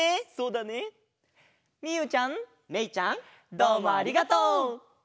どうもありがとう！